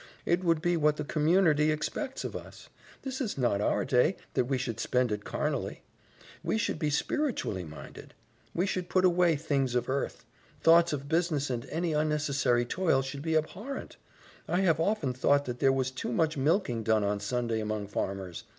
It would be what the communerty expects of us. This is not our day, that we should spend it carnally. We should be spiritually minded. We should put away things of earth. Thoughts of business and any unnecessary toil should be abhorrent. I have often thought that there was too much milking done on Sunday among farmers.